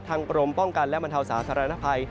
ทางประลงป้องกันและบรรเทาสาธารณภัย